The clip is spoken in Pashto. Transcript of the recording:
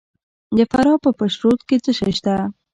د فراه په پشت رود کې څه شی شته؟